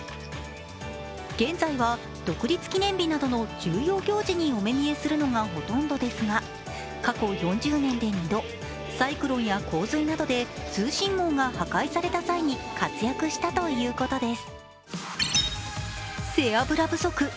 現在は独立記念日などの重要行事にお目見えするのがほとんどですが、過去４０年で２度、サイクロンや洪水などで通信網が破壊された際に活躍したということです。